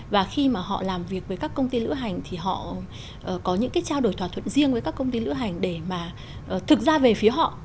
và khi mà họ làm việc với các công ty lữ hành thì họ có những cái trao đổi thỏa thuận riêng với các công ty lữ hành để mà thực ra về phía họ